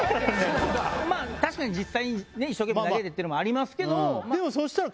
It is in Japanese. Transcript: まぁ確かに実際に一生懸命投げていたのもありますけど。